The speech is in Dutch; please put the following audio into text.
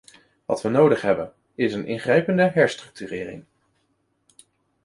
Wat we nodig hebben, is een ingrijpende herstructurering.